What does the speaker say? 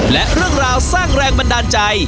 และเรื่องราวสร้างแรงบันดาลใจ